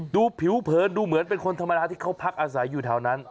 ดูผิวเผินดูเหมือนเป็นคนธรรมดาที่เขาพักอาศัยอยู่แถวนั้น